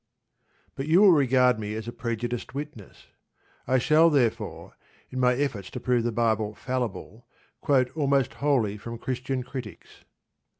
But you will regard me as a prejudiced witness. I shall therefore, in my effort to prove the Bible fallible, quote almost wholly from Christian critics.